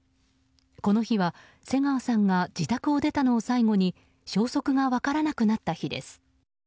この日は瀬川さんが自宅を出たのを最後に消息が分からなくなった日です。